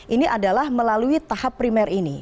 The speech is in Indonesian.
ini adalah melalui tahap primer ini